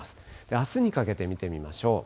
あすにかけて見てみましょう。